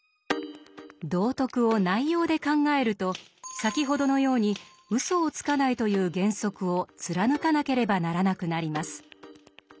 道徳を「内容」で考えると先ほどのように「うそをつかない」という原則を貫かなければならなくなります。